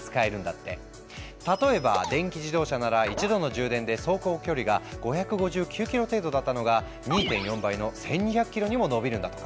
例えば電気自動車なら一度の充電で走行距離が５５９ｋｍ程度だったのが２．４倍の１，２００ｋｍにものびるんだとか。